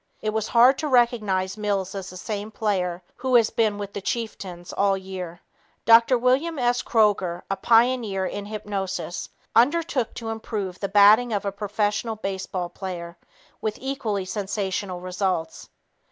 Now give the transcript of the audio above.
It was hard to recognize Mills as the same player who has been with the Chieftains all year." Dr. William S. Kroger, a pioneer in hypnosis, undertook to improve the batting of a professional baseball player with equally sensational results.